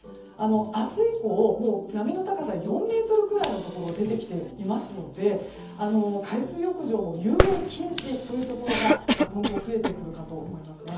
明日以降、波の高さ４ｍくらいのところが出てきていますので海水浴場も遊泳禁止というところが今後、増えてくるかと思います。